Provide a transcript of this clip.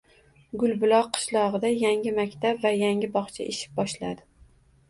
Gulbuloq qishlog‘ida yangi maktab va yangi bog‘cha ish boshladi